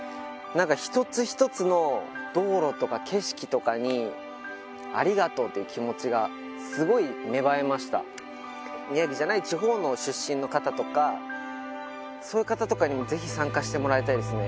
一つ一つの道路とか景色とかにありがとうという気持ちがすごい芽生えました宮城じゃない地方の出身の方とかそういう方とかにもぜひ参加してもらいたいですね